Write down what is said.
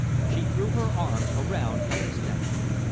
She threw her arms around Helen's neck.